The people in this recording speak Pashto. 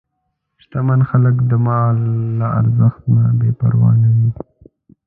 شتمن خلک د مال له ازمېښت نه بېپروا نه وي.